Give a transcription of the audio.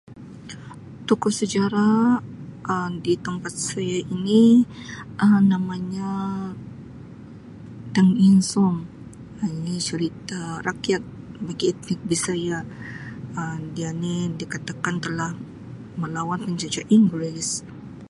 Tokoh sejarah Um di tampat saya ini Um namanya Dang Insum Um ini cerita rakyat bagi etnik Bisaya Um dia ni dikatakan telah melawan penjajah Inggeris.